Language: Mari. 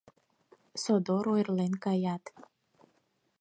Содор ойырлен каят.